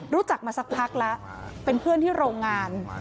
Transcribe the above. รู้จักมาสักพักแล้วเป็นเพื่อนที่โรงงาน